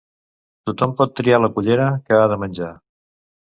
Tothom pot triar la cullera que ha de menjar.